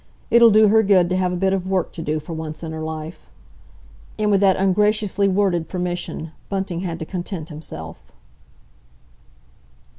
"It'll do her good to have a bit of work to do for once in her life." And with that ungraciously worded permission Bunting had to content himself.